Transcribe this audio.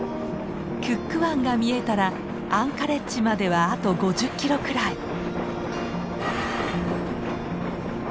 クック湾が見えたらアンカレッジまではあと５０キロくらい。